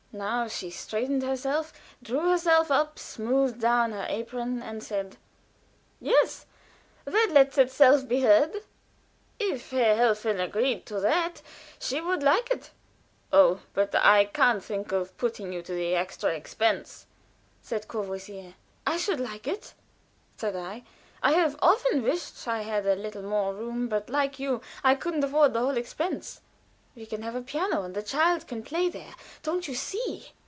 Now she straightened herself, drew herself up, smoothed down her apron, and said: "Yes, that lets itself be heard. If Herr Helfen agreed to that, she would like it." "Oh, but I can't think of putting you to the extra expense," said Courvoisier. "I should like it," said I. "I have often wished I had a little more room, but, like you, I couldn't afford the whole expense. We can have a piano, and the child can play there. Don't you see?"